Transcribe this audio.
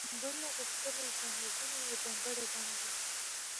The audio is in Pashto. بل غوښتلې ځان وژنه يوه ځانګړې بڼه ده.